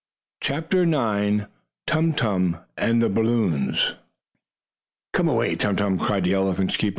CHAPTER IX TUM TUM AND THE BALLOONS "Come away, Tum Tum!" cried the elephant's keeper.